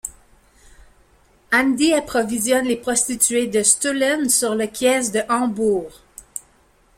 Andy approvisionne les prostituées de Stullen sur le Kiez de Hambourg.